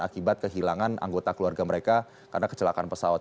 akibat kehilangan anggota keluarga mereka karena kecelakaan pesawat